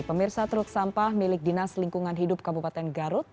pemirsa truk sampah milik dinas lingkungan hidup kabupaten garut